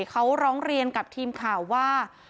เขาร้องเรียนกับทีมข่าวว่า